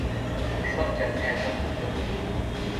আমি সব জাতকে একাকার করতে বলি না।